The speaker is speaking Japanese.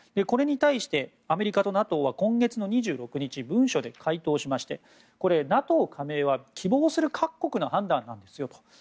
これに対してアメリカとＮＡＴＯは今月の２６日文書で回答しましてＮＡＴＯ加盟は希望する各国の判断ですよと。